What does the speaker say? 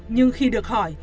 nhưng khi được hỏi